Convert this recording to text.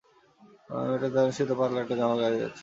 মেয়েটি এই দারুণ শীতেও পাতলা একটা জামা গায়ে দিয়ে আছে।